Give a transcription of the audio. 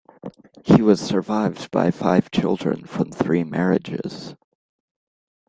He was survived by five children from three marriages.